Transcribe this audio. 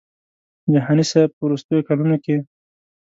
جهاني صاحب په وروستیو کلونو کې.